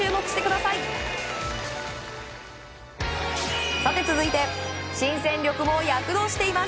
さて、続いて新戦力も躍動しています。